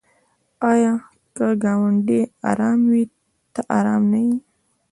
آیا که ګاونډی ارام وي ته ارام نه یې؟